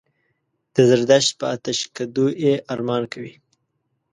د زردشت په آتشکدو یې ارمان کوي.